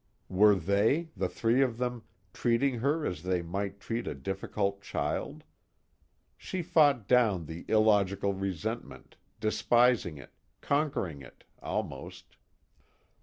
Were they, the three of them, treating her as they might treat a difficult child? She fought down the illogical resentment, despising it, conquering it almost.